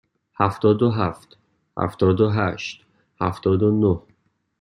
هفتاد و هفت، هفتاد و هشت، هفتاد و نه.